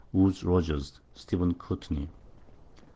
Woodes Rogers. Steph. Courtney.